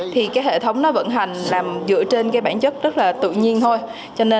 thì cái hệ thống nó vận hành làm dựa trên cái bản chất rất là tự nhiên thôi